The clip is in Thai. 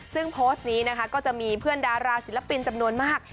ซึ่งโพสต์นี้นะคะก็จะมีเพื่อนดาราศิลปินจำนวนมาก